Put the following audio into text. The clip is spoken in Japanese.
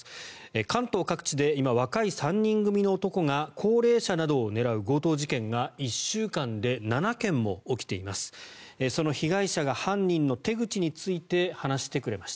関東各地で今、若い３人組の男が高齢者などを狙う強盗事件が１週間で７件も起きています。